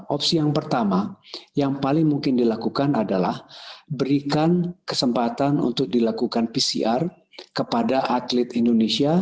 opsi yang pertama yang paling mungkin dilakukan adalah berikan kesempatan untuk dilakukan pcr kepada atlet indonesia